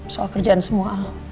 soal kerjaan semua